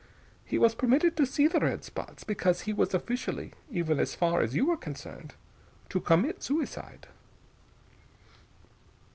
He was permitted to see the red spots, because he was officially even as far as you were concerned to commit suicide.